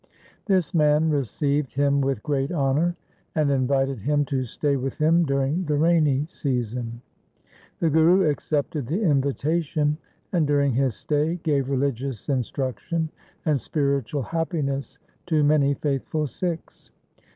This man received him with great honour, and invited him to stay with him during the rainy season. The Guru accepted the invitation, and during his stay gave religious instruction and spiritual happiness to many faithful Sikhs.